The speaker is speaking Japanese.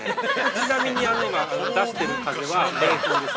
◆ちなみに出している風は冷風です。